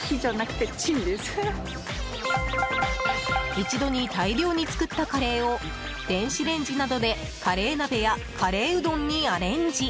一度に大量に作ったカレーを電子レンジなどでカレー鍋やカレーうどんにアレンジ。